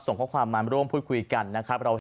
ส่งข้อความมาร่วมพูดคุยกันนะครับ